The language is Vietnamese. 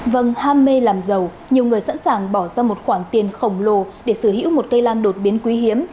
vâng ham mê làm giàu nhiều người sẵn sàng bỏ ra một khoản tiền khổng lồ để sở hữu một cây lan đột biến quý hiếm